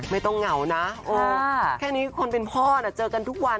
ไม่ต้องเหงานะโอ้แค่นี้คนเป็นพ่อเจอกันทุกวัน